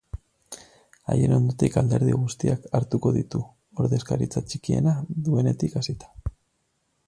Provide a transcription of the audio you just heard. Haien ondotik alderdi guztiak hartuko ditu, ordezkaritza txikiena duenetik hasita.